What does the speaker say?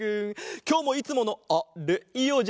きょうもいつものあれいおうじゃないか？